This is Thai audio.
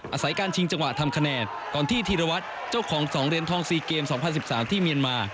อาศัยการชิงจังหวะทำคะแนนก่อนที่ธีรวัตรเจ้าของ๒เหรียญทอง๔เกม๒๐๑๓ที่เมียนมา